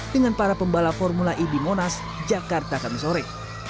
dengan para pembalap formula e di monas jakarta khamisore